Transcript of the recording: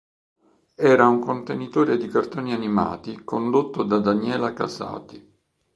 Era un contenitore di cartoni animati condotto da Daniela Casati.